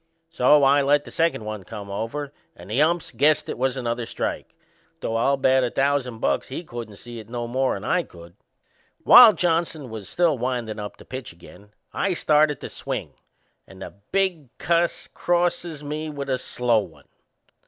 So I let the second one come over and the umps guessed it was another strike, though I'll bet a thousand bucks he couldn't see it no more'n I could. While Johnson was still windin' up to pitch again I started to swing and the big cuss crosses me with a slow one.